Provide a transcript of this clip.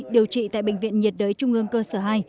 điều trị tại bệnh viện nhiệt đới trung ương cơ sở hai